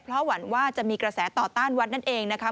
เพราะหวั่นว่าจะมีกระแสต่อต้านวัดนั่นเองนะคะ